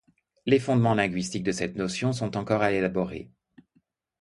Les fondements linguistiques de cette notion sont encore à élaborer.